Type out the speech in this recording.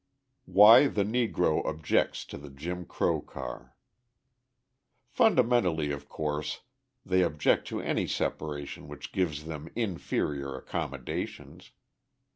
Why the Negro Objects to the Jim Crow Car Fundamentally, of course they object to any separation which gives them inferior accommodations.